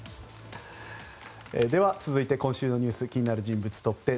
では、続いて今週のニュース気になる人物トップ１０。